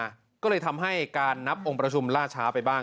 อันนี้ก็เลยรีบมาทำให้แก้งนับองค์ประชุมล่าช้าไปบ้าง